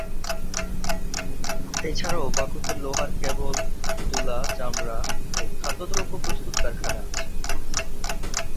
এছাড়াও বাকুতে লোহার কেবল, তুলা, চামড়া ও খাদ্যদ্রব্য প্রস্তুত কারখানা আছে।